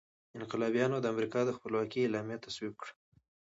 انقلابیانو د امریکا د خپلواکۍ اعلامیه تصویب کړه.